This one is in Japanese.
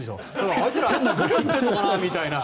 あいつらどこに行っているのかなみたいな。